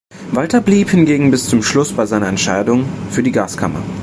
Walter blieb hingegen bis zum Schluss bei seiner Entscheidung für die Gaskammer.